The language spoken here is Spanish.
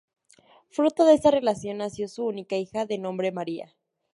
Fruto de esa relación, nació su única hija, de nombre María.